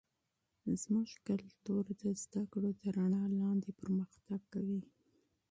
زموږ فرهنگ د علم د رڼا لاندې وده کوي.